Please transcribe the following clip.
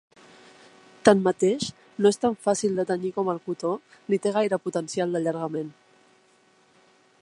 Tanmateix no és tan fàcil de tenyir com el cotó ni té gaire potencial d'allargament.